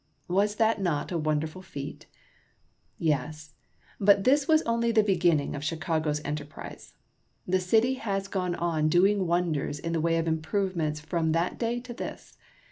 Was not that a wonderful feat ? Yes ; but this was only the beginning of Chicago's en terprise. The city has gone on doing wonders in the way of improvements from that day to this.